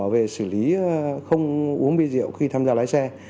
về xử lý không uống bia rượu khi tham gia lái xe